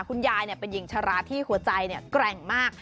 คุณยายนี่เป็นหญิงชะราคือแตลท์ที่หัวใจเนี่ยแกร่งมาก